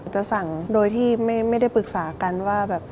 จะสั่งโดยที่ไม่ได้ปรึกษากันว่าแบบ